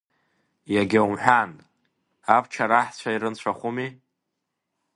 Иагьа умҳәан, абчараҳцәа ирынцәахәыми…